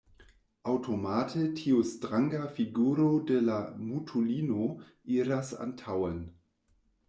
Aŭtomate tiu stranga figuro de la mutulino iras antaŭen.